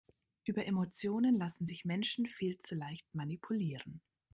Über Emotionen lassen sich Menschen viel zu leicht manipulieren.